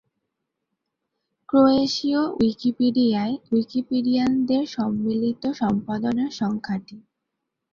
ক্রোয়েশীয় উইকিপিডিয়ায় উইকিপিডিয়ানদের সম্মিলিত সম্পাদনার সংখ্যা টি।